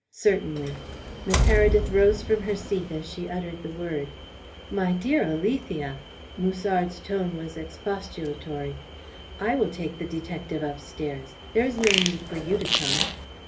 "Certainly." Miss Heredith rose from her seat as she uttered the word. "My dear Alethea!" Musard's tone was expostulatory "I will take the detective upstairs. There is no need for you to come."